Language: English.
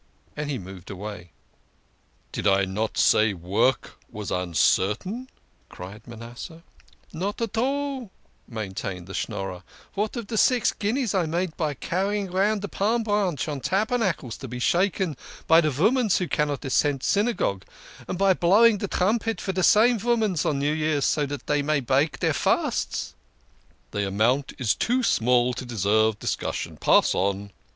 And he moved away. " Did I not say work was uncertain ?" cried Manasseh. "Not all," maintained the Schnorrer. "What of de six guineas I make by carrying round de Palm branch on Tabernacles to be shaken by de voomans who cannot attend Synagogue, and by blowing de trumpet for de same voomans on New Year, so dat dey may break deir fasts ?" "The amount is too small to deserve discussion. Pass on."